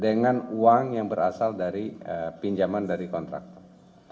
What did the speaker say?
dengan uang yang berasal dari pinjaman dari kontraktor